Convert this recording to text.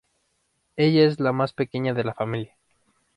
Ella es la más pequeña de la familia.